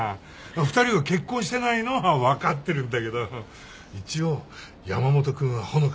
２人は結婚してないのは分かってるんだけど一応山本君は穂香のお嫁さんなわけだし。